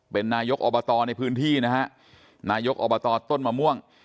เป็นนายกอบตในพื้นที่นะฮะนายกอบตต้นมะม่วง